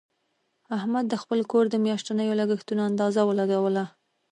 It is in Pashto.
احمد د خپل کور د میاشتنیو لګښتونو اندازه ولګوله.